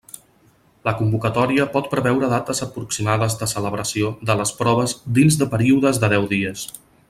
La convocatòria pot preveure dates aproximades de celebració de les proves dins de períodes de deu dies.